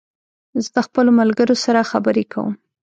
زه د خپلو ملګرو سره خبري کوم